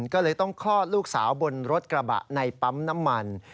ก็เลยต้องคลอดลูกสาวบนรถกระบะในปั๊มน้ำมัน